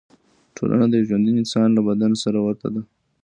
ټولنه د یو ژوندي انسان له بدن سره ورته ده.